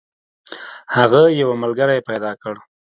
هغه یو ملګری پیدا کړ.